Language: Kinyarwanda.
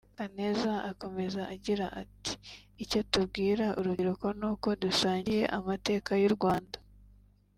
Kaneza akomeza agira ati “Icyo tubwira urubyiruko ni uko dusangiye amateka y’u Rwanda